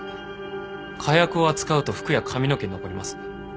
火薬を扱うと服や髪の毛に残ります。